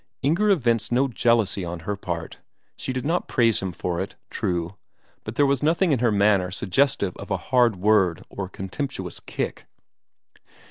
Inger evinced no jealousy on her part. She did not praise him for it, true, but there was nothing in her manner suggestive of a hard word or a contemptuous kick.